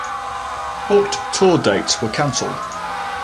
Booked tour dates were cancelled.